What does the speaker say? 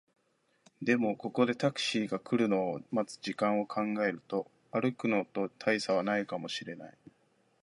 でも、ここでタクシーが来るのを待つ時間を考えると、歩くのと大差はないかもしれない